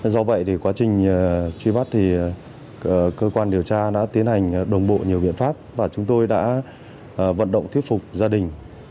do vậy thì quá trình truy bắt thì cơ quan điều tra đã tiến hành đồng bộ nhiều biện pháp và chúng tôi đã vận động thuyết phục gia đình